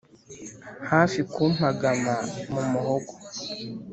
Hafi kumpagama mu muhogo